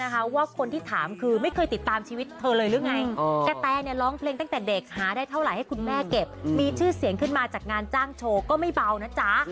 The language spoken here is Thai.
หาได้เท่าไหร่ให้คุณแม่เก็บมีชื่อเสียงขึ้นมาจากงานจ้างโชว์ก็ไม่เบานะจ๊ะ